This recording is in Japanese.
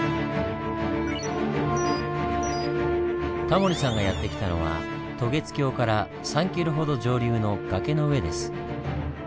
タモリさんがやって来たのは渡月橋から３キロほど上流の崖の上です。